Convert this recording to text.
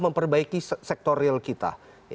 memperbaiki sektor real kita